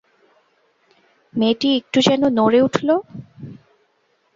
মেয়েটি একটু যেন নড়ে উঠল।